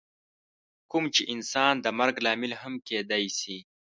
کوم چې انسان د مرګ لامل هم کیدی شي.